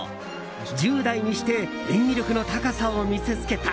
１０代にして演技力の高さを見せつけた。